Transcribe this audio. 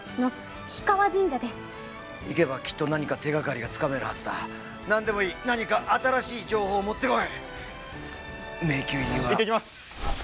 行けばきっと何か手がかりがつかめるはずだ何でもいい何か新しい情報を持ってこい迷宮入りは行ってきます